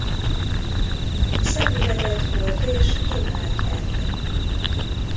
Szemüveget hord és imád enni.